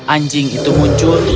anjing itu muncul